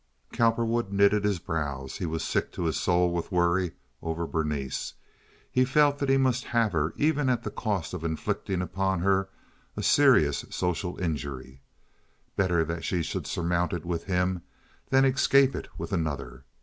Cowperwood knitted his brows. He was sick to his soul with this worry over Berenice. He felt that he must have her, even at the cost of inflicting upon her a serious social injury. Better that she should surmount it with him than escape it with another.